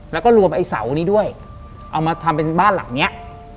แล้วก็รวมไอ้เสานี้ด้วยเอามาทำเป็นบ้านหลังเนี้ย